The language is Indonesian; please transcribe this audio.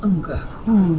ada yang ngga serius ga sih